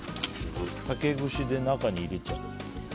竹串で中に入れちゃう。